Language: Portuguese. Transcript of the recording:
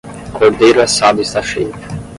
Cordeiro assado está cheio